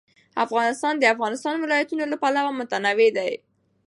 افغانستان د د افغانستان ولايتونه له پلوه متنوع دی.